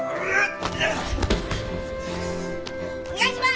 お願いします！